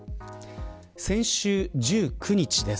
先週１９日です。